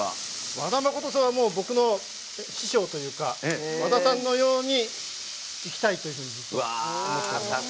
和田誠さんは僕の師匠というか和田さんのように生きたいというように思っております。